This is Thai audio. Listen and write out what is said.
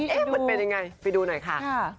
เอ๊ะมันเป็นยังไงไปดูหน่อยค่ะ